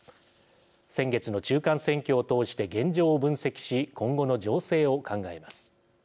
先月の中間選挙をとおして現状を分析し今後の情勢を考えます。